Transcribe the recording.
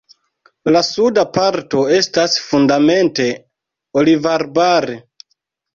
La suda parto estas fundamente olivarbare.